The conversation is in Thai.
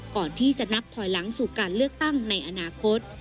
ก่อนที่จะนับถอยหลังสู่การเลือกตั้งในอนาคต